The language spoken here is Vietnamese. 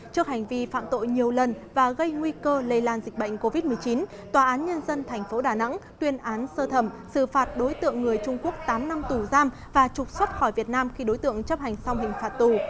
trước hành vi phạm tội nhiều lần và gây nguy cơ lây lan dịch bệnh covid một mươi chín tòa án nhân dân tp đà nẵng tuyên án sơ thẩm xử phạt đối tượng người trung quốc tám năm tù giam và trục xuất khỏi việt nam khi đối tượng chấp hành xong hình phạt tù